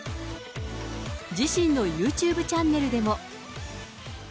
自身のユーチューブチャンネルでも。